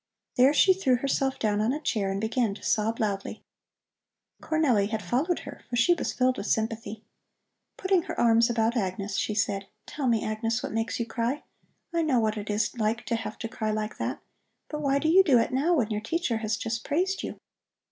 There she threw herself down on a chair and began to sob loudly. Cornelli had followed her, for she was filled with sympathy. Putting her arms about Agnes, she said: "Tell me, Agnes, what makes you cry. I know what it is like to have to cry like that. But why do you do it now, when your teacher has just praised you?"